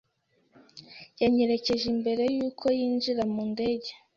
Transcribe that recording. Yanyerekeje mbere yuko yinjira mu ndege.